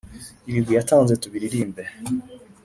ibigwi yatanze tubiririmbe